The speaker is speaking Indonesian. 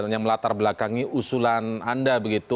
yang melatar belakangi usulan anda begitu